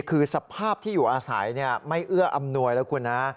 คือสภาพที่อยู่อาศัยไม่เอื้ออำนวยแล้วคุณนะ